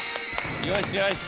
よしよし。